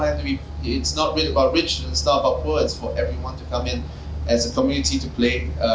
tapi untuk semua orang yang datang sebagai komunitas untuk bermain bola